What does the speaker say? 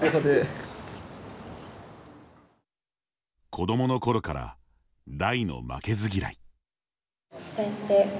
子供のころから大の負けず嫌い。